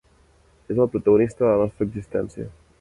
És el protagonista de la nostra existència.